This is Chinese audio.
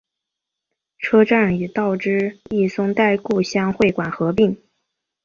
车站与道之驿松代故乡会馆合并。